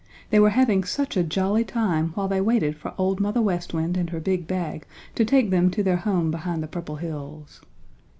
They were having such a jolly time while they waited for Old Mother West Wind and her big bag to take them to their home behind the Purple Hills.